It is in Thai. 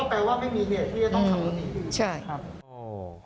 ก็แปลว่าไม่มีเหตุที่จะต้องขับวิธีอื่นใช่